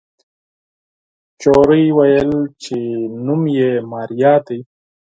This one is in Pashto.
نجلۍ وويل چې نوم يې ماريا دی.